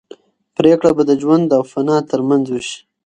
پرېکړه به د ژوند او فنا تر منځ وشي.